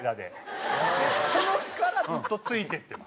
その日からずっとついていってます。